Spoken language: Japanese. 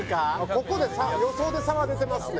ここで差予想で差が出てますね